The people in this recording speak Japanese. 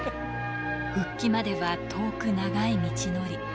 復帰までは遠く長い道のり。